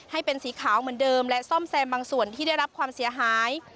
ให้เป็นสีขาวเหมือนเดิมและซ่อมแซมบางส่วนที่ได้รับความเสียหาย